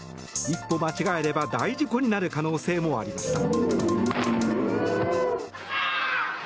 一歩間違えれば大事故になる可能性もありました。